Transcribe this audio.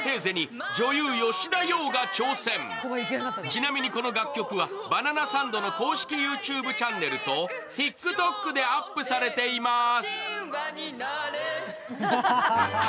ちなみにこの楽曲は、バナナサンドの公式ＹｏｕＴｕｂｅチャンネルとＴｉｋＴｏｋでアップされてます。